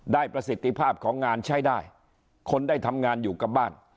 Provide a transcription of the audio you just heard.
ประสิทธิภาพของงานใช้ได้คนได้ทำงานอยู่กับบ้าน